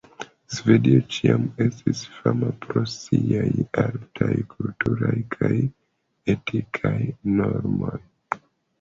Svedio ĉiam estis fama pro siaj altaj kulturaj kaj etikaj normoj.